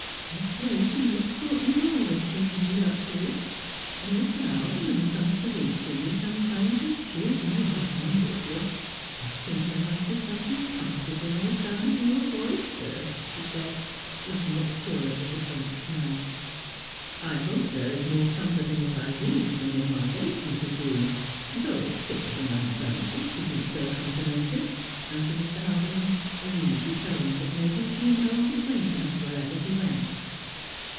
Miss Blake and Miss Courtenay are always bringing me luxuries ; and Mr. Haldimond comes to read to me sometimes, and cheers me up wonderfully. I think there must be something comfortable in the sound of your voice, sir,' she said, looking at the curate with a faint smile. ' I hope there is more comfort in what I read than in my voice, Mrs. Green, though it tickles a man's vanity to be so com plimented,' answered Mr. Haldimond, in the easy tone that made him seem an old acquaintance wherever he went.